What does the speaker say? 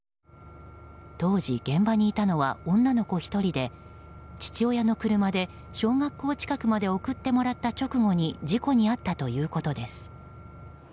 当時、現場にいたのは女の子１人で父親の車で小学校近くまで送ってもらった直後に事故に遭ったということです。